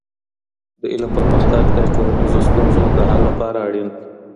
د علم پرمختګ د ټولنیزو ستونزو د حل لپاره اړین دی.